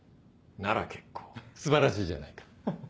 なら結構素晴らしいじゃないか。